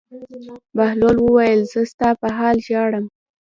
بهلول وویل: زه ستا په حال ژاړم.